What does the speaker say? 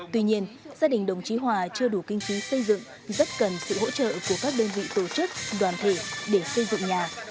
tuy nhiên gia đình đồng chí hòa chưa đủ kinh phí xây dựng rất cần sự hỗ trợ của các đơn vị tổ chức đoàn thể để xây dựng nhà